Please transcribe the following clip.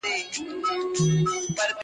• د انسانيت پوښتنه لا هم خلاصه ځواب نه لري..